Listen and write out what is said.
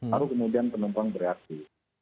lalu kemudian penumpang beraksi